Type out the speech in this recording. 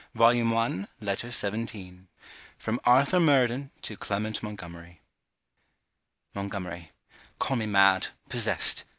ARTHUR MURDEN LETTER XVII FROM ARTHUR MURDEN TO CLEMENT MONTGOMERY Montgomery Call me mad, possessed.